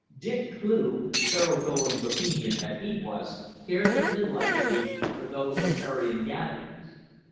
Dick Cleugh, thorough going Bohemian that he was, cared but little, I believe, for those riparian gatherings.